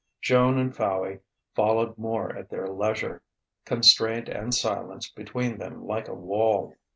Joan and Fowey followed more at their leisure, constraint and silence between them like a wall.